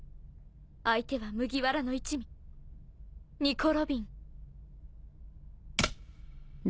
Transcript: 相手は麦わらの一味ニコ・ロビン。